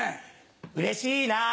うれしいな。